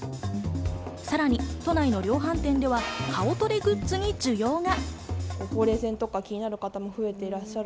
さらに都内の量販店では顔トレグッズに需要が。